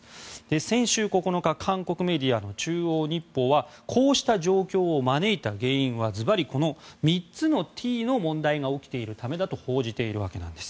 先週９日韓国メディアの中央日報はこうした状況を招いた原因はずばりこの３つのＴの問題が起きているためだと報じているわけなんです。